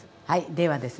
ではですね